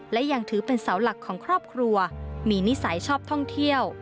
และยังถือเป็นเสาหลักของครอบครัวมีนิสัยชอบท่องเที่ยว